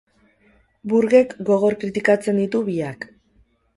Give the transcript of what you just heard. Burgek gogor kritikatzen ditu biak.